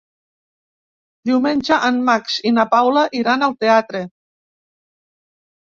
Diumenge en Max i na Paula iran al teatre.